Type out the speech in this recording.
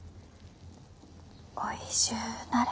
おいしゅうなれ。